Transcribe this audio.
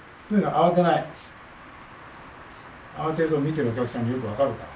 慌てると見てるお客さんによく分かるから。